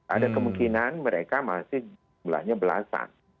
ada kemungkinan mereka masih belahnya belasan